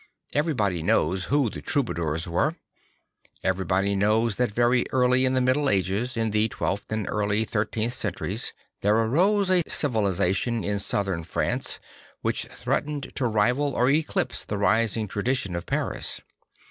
Everybody knows who the Troubadours were; everybody knows that very early in the Middle Ages, in the twelfth and early thirteenth centuries, there arose a civilisation in Southern France which threat ened to rival or eclipse the rising tradition of Paris.